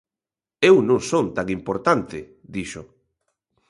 "Eu non son tan importante", dixo.